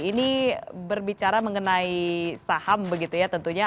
ini berbicara mengenai saham begitu ya tentunya